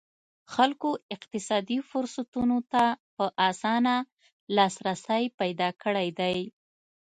خلکو اقتصادي فرصتونو ته په اسانه لاسرسی پیدا کړی دی.